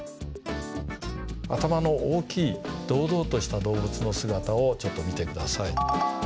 頭の大きい堂々とした動物の姿をちょっと見て下さい。